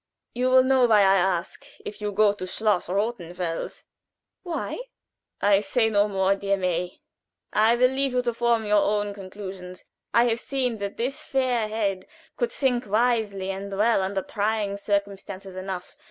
"You will know why I ask if you go to Schloss Rothenfels." "Why?" "I say no more, dear May. I will leave you to form your own conclusions. I have seen that this fair head could think wisely and well under trying circumstances enough.